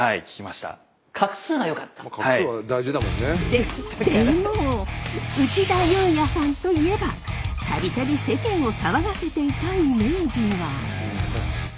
ででも内田裕也さんといえば度々世間を騒がせていたイメージが。